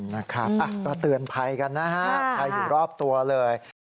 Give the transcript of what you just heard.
นะครับก็เตือนภัยกันนะฮะใครอยู่รอบตัวเลย